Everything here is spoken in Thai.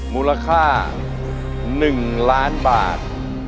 มูลค่าหนึ่งล้านบาท